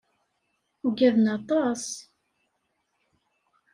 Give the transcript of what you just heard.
Ugaden aṭas.